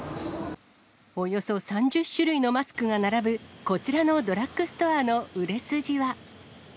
およそ３０種類のマスクが並ぶこちらのドラッグストアの売れ筋は。